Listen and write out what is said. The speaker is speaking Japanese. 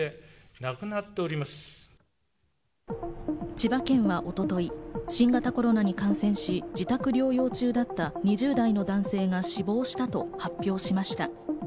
千葉県は一昨日、新型コロナに感染し、自宅療養中だった２０代の男性が死亡したと発表しました。